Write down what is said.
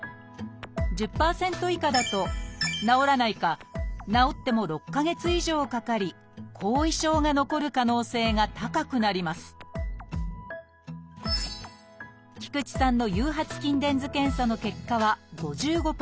１０％以下だと治らないか治っても６か月以上かかり後遺症が残る可能性が高くなります菊地さんの誘発筋電図検査の結果は５５％。